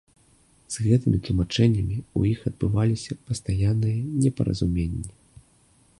З гэтымі тлумачэннямі ў іх адбываліся пастаянныя непаразуменні.